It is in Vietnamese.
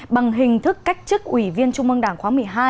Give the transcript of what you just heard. bằng hình thức cách chức ủy viên trung mương đảng khóa một mươi hai